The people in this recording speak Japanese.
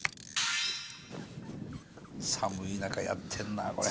寒い中やってんなこれ。